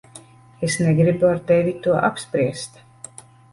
Es negribu ar tevi to apspriest.